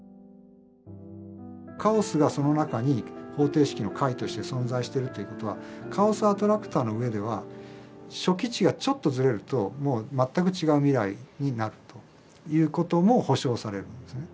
カオスがその中に方程式の解として存在してるということはカオスアトラクターの上では初期値がちょっとずれるともう全く違う未来になるということも保証されるんですよね。